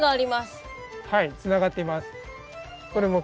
はいつながっています。